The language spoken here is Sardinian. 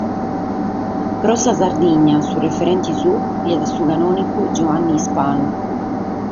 Pro sa Sardigna su referente suo fiat su canònigu Giuanne Ispanu.